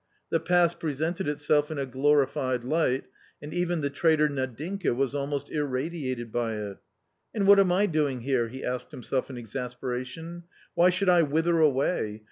The past presented itself in a glorified light, and even the traitor Nadinka was almost irradiated by it. " And what am I doing here ?" he asked himself in exasperation, " why should I wither away.